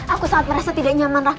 aku sangat merasa tidak nyaman